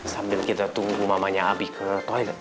sambil kita tunggu mamanya abi ke toilet